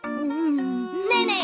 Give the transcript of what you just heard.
ねえねえ